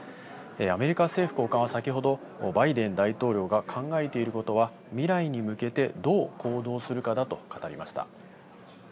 アメリカ政府高官は先ほど、バイデン大統領が考えていることは未来に向けてどう行動するかだと語りました。